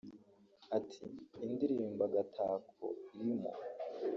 Ati “Indirimbo ‘Agatako’ irimo